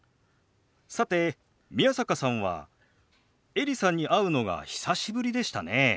さて宮坂さんはエリさんに会うのが久しぶりでしたね。